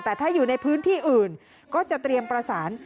แต่ถ้าอยู่ในพื้นที่อื่นก็จะเตรียมประสาน